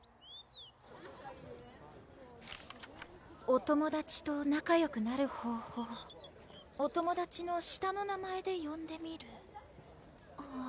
「お友だちと仲良くなる方法」「お友だちの下の名前でよんでみる」